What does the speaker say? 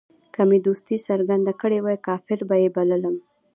که مې دوستي څرګنده کړې وای کافر به یې بللم.